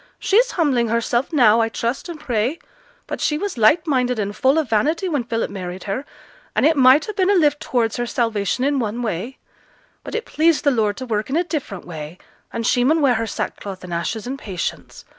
'She's humbling herself now, I trust and pray, but she was light minded and full of vanity when Philip married her, and it might ha' been a lift towards her salvation in one way; but it pleased the Lord to work in a different way, and she mun wear her sackcloth and ashes in patience.